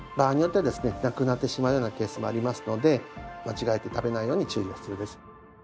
亡くなってしまうようなケースもありますので間違えて食べないように注意が必要です。